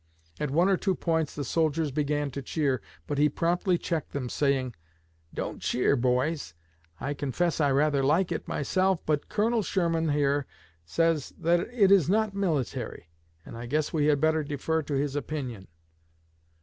At one or two points the soldiers began to cheer, but he promptly checked them, saying: 'Don't cheer, boys. I confess I rather like it myself, but Colonel Sherman here says that it is not military; and I guess we had better defer to his opinion.'